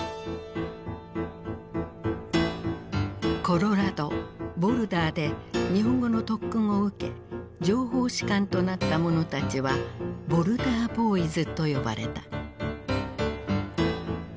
コロラドボルダーで日本語の特訓を受け情報士官となった者たちは「ボルダー・ボーイズ」と呼ばれた。